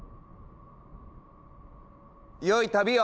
良い旅を！